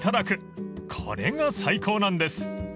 ［これが最高なんです］